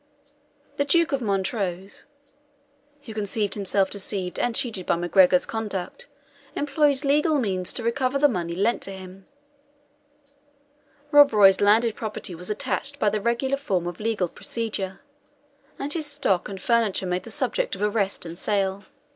The Duke of Montrose, who conceived himself deceived and cheated by MacGregor's conduct, employed legal means to recover the money lent to him. Rob Roy's landed property was attached by the regular form of legal procedure, and his stock and furniture made the subject of arrest and sale.